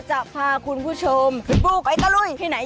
จะพาคุณผู้ชมไปปลูกไอ้ตะลุยที่ไหน